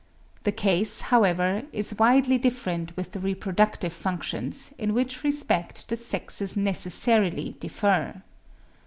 The case, however, is widely different with the reproductive functions, in which respect the sexes necessarily differ.